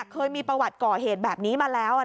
เคยมีประวัติก่อเหตุแบบนี้มาแล้ว